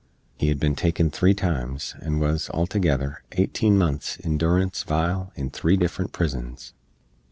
He hed bin taken three times, and wuz, altogether, 18 months in doorance vile in three diffrent prizns.